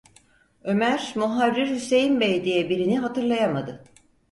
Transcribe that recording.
Ömer, muharrir Hüseyin bey diye birini hatırlayamadı.